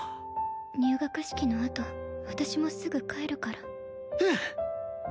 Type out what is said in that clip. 入学式のあと私もすぐ帰るからうん！